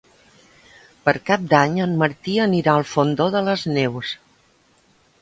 Per Cap d'Any en Martí anirà al Fondó de les Neus.